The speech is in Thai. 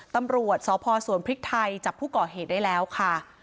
ตำรวจสพสวนพริกไทยจับผู้ก่อเหตุได้แล้วค่ะ